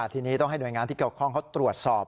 ทีนี้ต้องให้หน่วยงานที่เกี่ยวข้องเขาตรวจสอบ